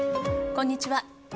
こんにちは。